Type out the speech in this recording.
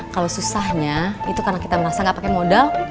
kalau susahnya itu karena kita merasa nggak pakai modal